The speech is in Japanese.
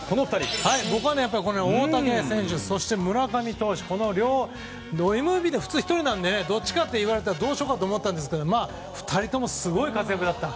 僕は大竹選手、そして村上投手ＭＶＰって普通１人なのですがどっちかっていわれたらどうしようかと思ったんですが２人ともすごい活躍だった。